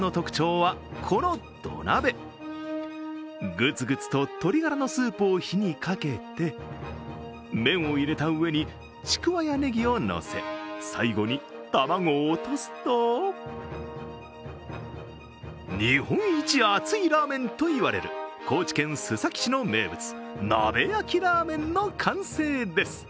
ぐつぐつと鶏ガラのスープを火にかけて麺を入れた上にちくわやねぎをのせ、最後に卵を落とすと日本一熱いラーメンといわれる高知県須崎市の名物鍋焼きラーメンの完成です。